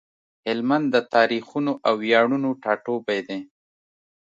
هلمند د تاريخونو او وياړونو ټاټوبی دی۔